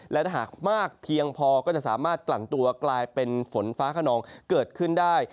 และถ้าหากมากเพียงพอก็จะสามารถกลั่นตัวกลายเป็นฝนฟ้าขนองเกิดขึ้นได้